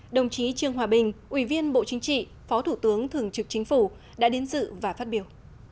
đồng chí trương hòa bình ủy viên bộ chính trị phó thủ tướng thường trực chính phủ đã đến dự và phát biểu